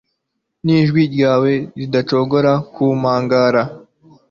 Nijwi ryawe ridacogora ku mpagara